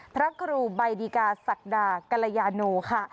พระกรุบัยดิกาศักดากรยานูค่ะ